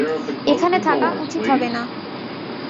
এখানে থাকা উচিত হবে না।